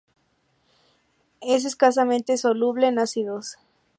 Es escasamente soluble en ácidos.